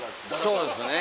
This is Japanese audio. そうですね。